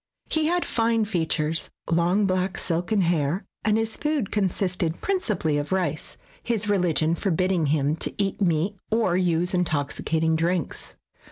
He had very fine features, long black silken hair, and his food consisted principally of rice, his religion forbidding him to eat meat or use intoxicating drinks.